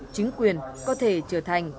chính quyền có thể trở thành